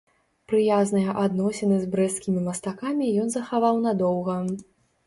Прыязныя адносіны з брэсцкімі мастакамі ён захаваў надоўга.